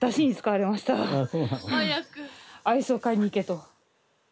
アイスを買いに行けと。